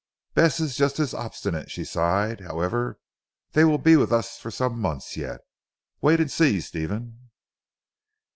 "Bess is just as obstinate," she sighed, "however they will be with us for some months yet. Wait and see, Stephen."